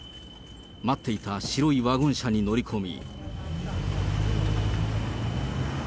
待っていた白いワゴン車に乗り込み。